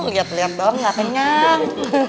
liat liat doang gak penyam